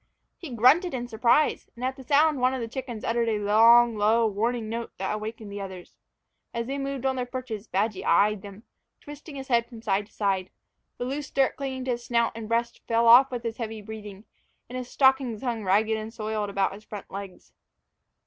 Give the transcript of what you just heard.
He grunted in surprise, and at the sound one of the chickens uttered a long, low, warning note that awakened the others. As they moved on their perches, Badgy eyed them, twisting his head from side to side. The loose dirt clinging to his snout and breast fell off with his heavy breathing, and his stockings hung ragged and soiled about his front legs.